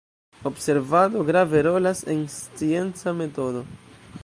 Observado grave rolas en scienca metodo.